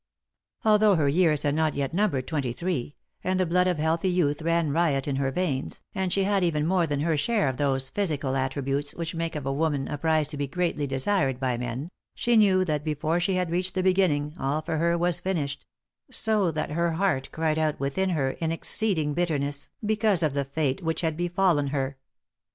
Although her years had not yet numbered twenty three, and the blood of healthy youth ran riot in her veins, and she bad even more than her share of those physical attributes which make of a woman a prize to be greatly desired by men, she knew that before she had reached the beginning, all for her was finished ; so that her heart cried out within her in exceeding bitterness, because of the late which had befallen her.